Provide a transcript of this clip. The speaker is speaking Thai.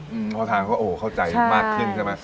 อืมเอาทางเขาเข้าใจมากขึ้นใช่ไหม